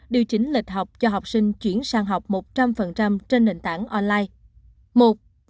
điều chỉnh lịch học cho học sinh chuyển sang học một trăm linh trên nền tảng online